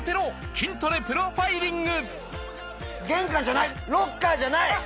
キントレプロファイリング